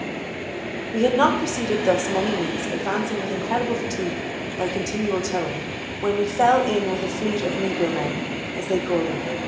We had not proceeded thus many weeks, advancing with incredible fatigue by continual towing, when we fell in with a fleet of Negro men, as they call them.